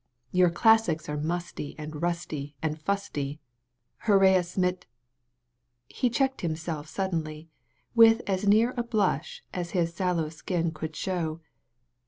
Your classics are musty and rusty and fusty. Heraus mit " He checked himself suddenly, with as near a blush as his sallow skin could show.